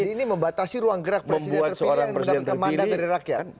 jadi ini membatasi ruang gerak presiden terpilih dan mendapatkan mandat dari rakyat